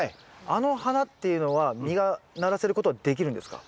あの花っていうのは実がならせることはできるんですか？